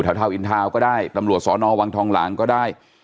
ชาวเท้าอินเท้าก็ได้ตำรวจสอนอวังทองหลังก็ได้